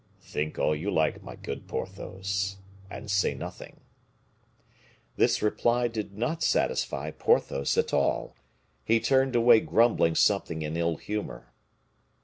"Think all you like, my good Porthos, and say nothing." This reply did not satisfy Porthos at all. He turned away grumbling something in ill humor.